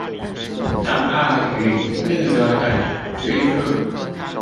障礙與逆流的敘述